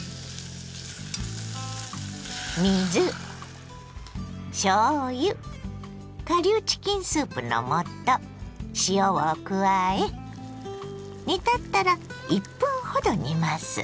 水しょうゆ顆粒チキンスープの素塩を加え煮立ったら１分ほど煮ます。